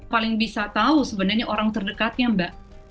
paling bisa tahu sebenarnya orang terdekatnya mbak